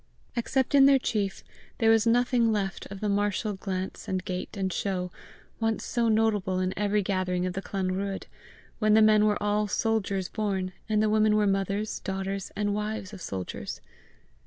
Except in their chief, there was nothing left of the martial glance and gait and show, once so notable in every gathering of the Clanruadh, when the men were all soldiers born, and the women were mothers, daughters, and wives of soldiers.